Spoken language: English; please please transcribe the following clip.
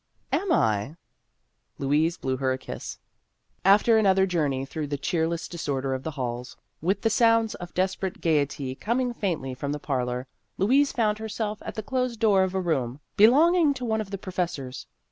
"Am I?" Louise blew her a kiss. After another journey through the cheerless disorder of the halls, with the sounds of desperate gayety coming faintly from the parlor, Louise found herself at the closed door of a room belonging to 228 Vassar Studies one of the professors.